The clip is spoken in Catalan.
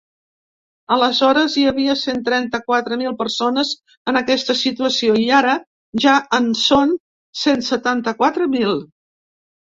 Aleshores, hi havia cent trenta-quatre mil persones en aquesta situació i ara ja en són cent setanta-quatre mil.